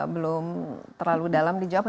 belum terlalu dalam dijawab